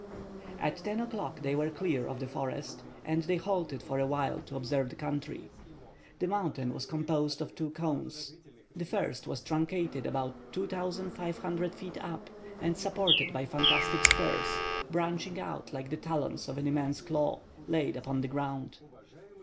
At 10 o'clock they were clear of the forest, and they halted for a while to observe the country. The mountain was composed of two cones. The first was truncated about 2,500 feet up, and supported by fantastic spurs, branching out like the talons of an immense claw, laid upon the ground.